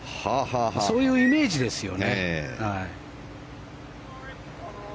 そういうイメージですよね。